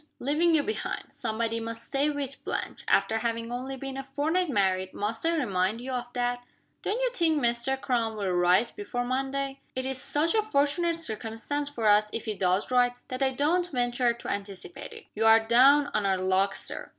"Leaving you behind. Somebody must stay with Blanche. After having only been a fortnight married, must I remind you of that?" "Don't you think Mr. Crum will write before Monday?" "It will be such a fortunate circumstance for us, if he does write, that I don't venture to anticipate it." "You are down on our luck, Sir."